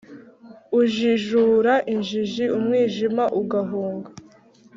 Ujijura injiji umwijima ugahunga,